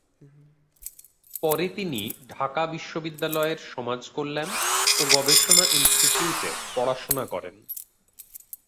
পরে তিনি ঢাকা বিশ্ববিদ্যালয়ের সমাজকল্যাণ ও গবেষণা ইনস্টিটিউটে পড়াশোনা করেন।